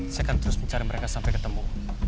saya akan terus mencari mereka sampai ketemu